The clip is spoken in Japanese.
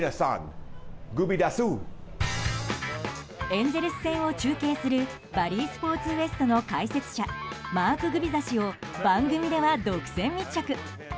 エンゼルス戦を中継するバリー・スポーツ・ウエストの解説者マーク・グビザ氏を番組では独占密着。